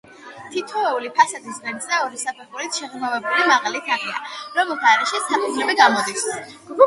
თითოეული ფასადის ღერძზე, ორი საფეხურით შეღრმავებული მაღალი თაღია, რომელთა არეში სარკმლები გამოდის.